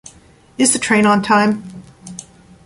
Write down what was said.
Is the train on time?